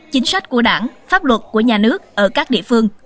chính sách của đảng pháp luật của nhà nước ở các địa phương